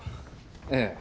ええ。